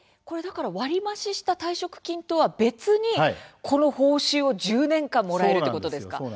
割り増しした退職金とは別に報酬を１０年間もらえるということですか。